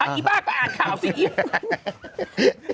อ้าวอีบ้าก็อ่านข่าวสิ